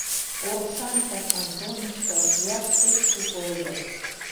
Оршанка кантонышто кулак пеш шуко ыле.